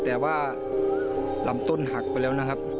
แต่ว่าลำต้นหักไปแล้วนะครับ